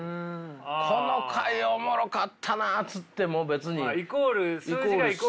この回おもろかったなっつっても別に。